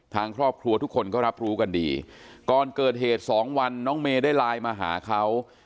ทางครอบครัวทุกคนก็รับรู้กันดีก่อนเกิดเหตุสองวันน้องเมย์ได้ไลน์มาหาเขา